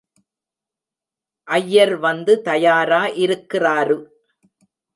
ஐயர் வந்து தயாரா இருக்கிறாரு.